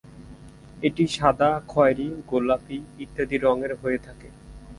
এটি সাদা, খয়েরী, গোলাপী ইত্যাদি রংয়ের হয়ে থাকে।